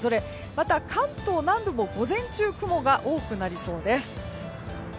また、関東南部も午前中雲が多くなりそうです